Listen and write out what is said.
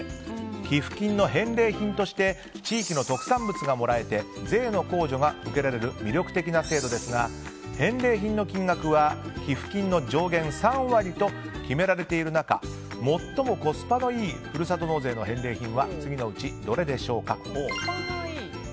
寄付金の返礼品として地域の特産物がもらえて税の控除が受けられる魅力的な制度ですが返礼品の金額は寄付金の上限３割と決められている中最もコスパがいいふるさと納税の返礼品は次のうちどれでしょうか。